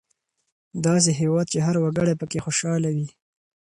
داسې هېواد چې هر وګړی پکې خوشحاله وي.